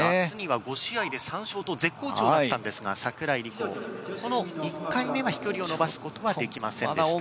夏には５試合で３勝と絶好調だったんですが櫻井梨子、この１回目は飛距離を延ばすことはできませんでした。